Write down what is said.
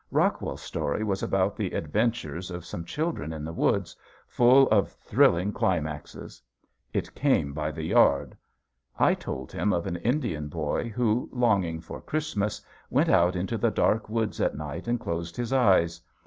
Rockwell's story was about the adventures of some children in the woods, full of thrilling climaxes. It came by the yard. I told him of an Indian boy who, longing for Christmas, went out into the dark woods at night and closed his eyes.